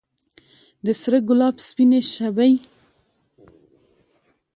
د سره ګلاب سپینې شبۍ